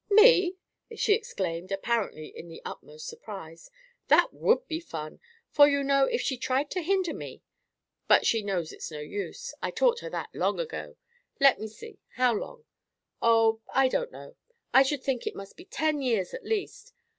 "Me!" she exclaimed, apparently in the utmost surprise. "That WOULD be fun! For, you know, if she tried to hinder me—but she knows it's no use; I taught her that long ago—let me see, how long: oh! I don't know—I should think it must be ten years at least.